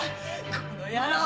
この野郎！